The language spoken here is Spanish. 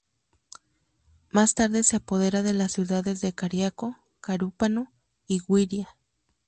Más tarde se apodera de las ciudades de Cariaco, Carúpano y Güiria.